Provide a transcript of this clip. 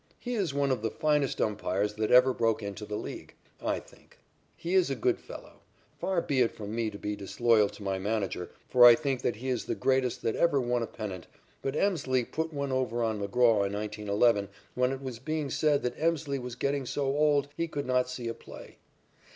He is one of the finest umpires that ever broke into the League, I think. He is a good fellow. Far be it from me to be disloyal to my manager, for I think that he is the greatest that ever won a pennant, but Emslie put one over on McGraw in 1911 when it was being said that Emslie was getting so old he could not see a play.